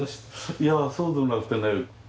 いやそうではなくてね